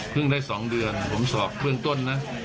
เพิ่งได้สองเดือนผมสอบเรื่องต้นนะ